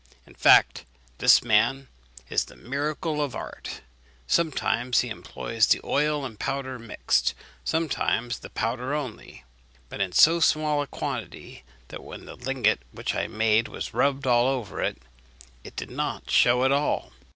In fact, this man is the miracle of art. Sometimes he employs the oil and powder mixed, sometimes the powder only; but in so small a quantity that, when the lingot which I made was rubbed all over with it, it did not shew at all."